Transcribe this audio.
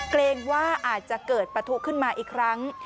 เกรงว่าอาจจะเกิดปะทุขึ้นมาอีกครั้ง